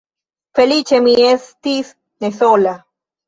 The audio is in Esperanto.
Feliĉe mi estis ne sola.